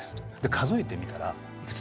数えてみたらいくつでしょう。